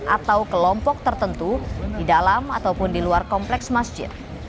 atau kelompok tertentu di dalam ataupun di luar kompleks masjid